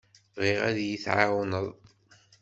Bɣiɣ ad iyi-tɛawneḍ.